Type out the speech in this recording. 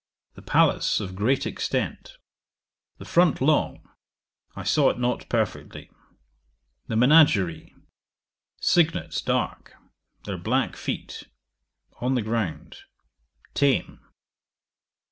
The palace of great extent. The front long; I saw it not perfectly. The Menagerie. Cygnets dark; their black feet; on the ground; tame.